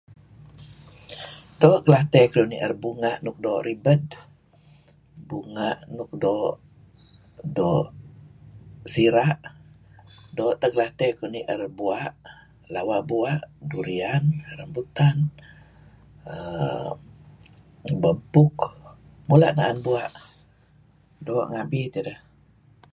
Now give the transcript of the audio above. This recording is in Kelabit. Doo' gelatey keduih ni'er bunga' nuk doo' ribed. Bunga' nuk doo' doo' sira' , doo' teh gelatey kuh ni'er bua' durian, bua' rambutan, bua' ebpuk, mula' na'an bua', doo' ngabi tideh.